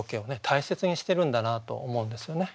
大切にしてるんだなと思うんですよね。